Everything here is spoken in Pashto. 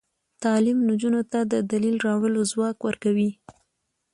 تعلیم نجونو ته د دلیل راوړلو ځواک ورکوي.